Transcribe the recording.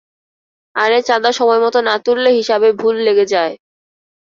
আরে চাঁদা সময়মতো না তুললে হিসাবে ভুল লেগে যায়।